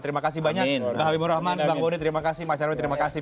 terima kasih banyak bang habibur rahman bang boni terima kasih mas nyarwi terima kasih